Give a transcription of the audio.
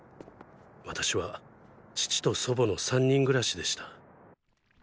私は父と祖母の３人暮らしでした。